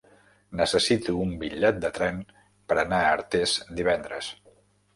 Necessito un bitllet de tren per anar a Artés divendres.